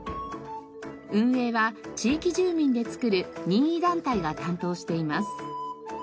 運営は地域住民で作る任意団体が担当しています。